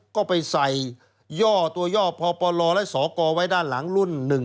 ก็ไปใส่ย่อตัวย่อพอปลอและสอกอว์ไว้ด้านหลังรุ่นหนึ่ง